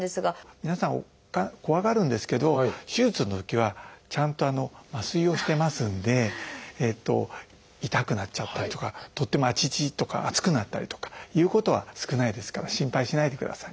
皆さん怖がるんですけど手術のときはちゃんと麻酔をしてますんで痛くなっちゃったりとかとってもアチチとか熱くなったりとかいうことは少ないですから心配しないでください。